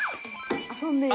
「遊んでいる」。